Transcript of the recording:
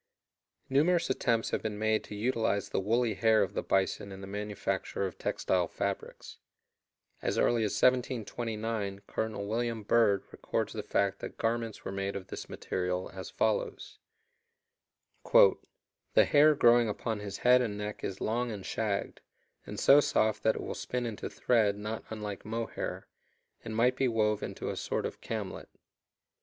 _ Numerous attempts have been made to utilize the woolly hair of the bison in the manufacture of textile fabrics. As early as 1729 Col. William Byrd records the fact that garments were made of this material, as follows: "The Hair growing upon his Head and Neck is long and Shagged, and so Soft that it will spin into Thread not unlike Mohair, and might be wove into a sort of Camlet.